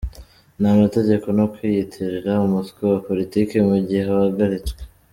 n’amategeko no kwiyitirira umutwe wa politiki mu gihe wahagaritswe